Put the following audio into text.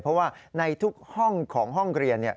เพราะว่าในทุกห้องของห้องเรียน